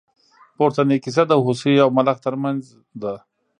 پورتنۍ کیسه د هوسۍ او ملخ تر منځ ده.